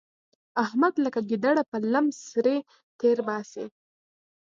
احمد لکه ګيدړه په لم سړی تېرباسي.